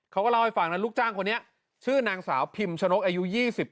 เขาก็เล่าให้ฟังนะลูกจ้างคนนี้ชื่อนางสาวพิมชนกอายุ๒๗